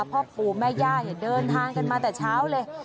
พ่อปู่แม่ย่าเดินทางกันมาแต่เช้าเลย